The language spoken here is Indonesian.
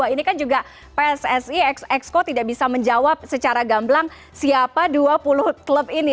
ini kan juga pssi exco tidak bisa menjawab secara gamblang siapa dua puluh klub ini